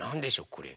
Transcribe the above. これ。